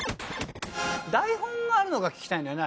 台本があるのか聞きたいんだよね